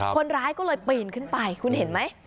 คนร้ายก็เลยปีนขึ้นไปคุณเห็นไหม